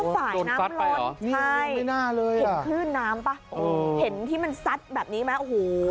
ถ้าฝ่ายน้ำรอดใช่คืนน้ำปะเห็นที่มันซัดแบบนี้ไหมโอ้โห